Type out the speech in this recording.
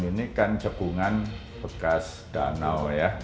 dan ini kan cekungan bekas danau ya